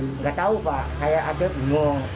tidak tahu pak saya ada bumbung